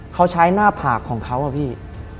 เขาใช้หน้าผากของเขาอะพี่